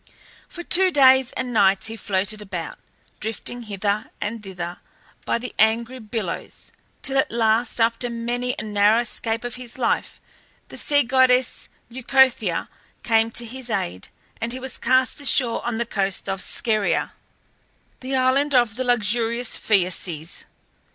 For two days and nights he floated about, drifted hither and thither by the angry billows, till at last, after many a narrow escape of his life, the sea goddess Leucothea came to his aid, and he was cast ashore on the coast of Scheria, the island of the luxurious Phaeaces.